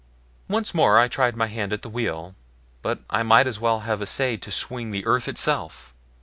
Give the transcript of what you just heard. Once more I tried my hand at the wheel, but I might as well have essayed to swing the earth itself.